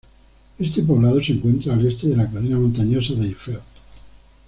Este poblado se encuentra al este de la cadena montañosa de Eifel.